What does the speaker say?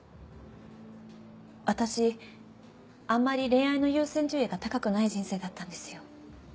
私あんまり恋愛の優先順位が高くない人生だったんですよ。